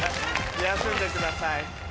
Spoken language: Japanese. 休んでください。